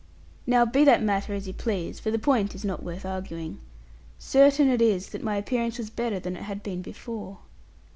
Now be that matter as you please for the point is not worth arguing certain it is that my appearance was better than it had been before.